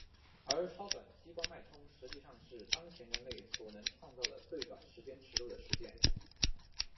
而超短激光脉冲实际上是当前人类所能创造的最短时间尺度的事件。